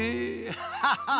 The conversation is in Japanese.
ハハハハ。